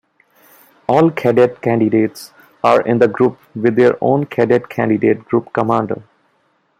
All cadet candidates are in the Group with their own cadet candidate group commander.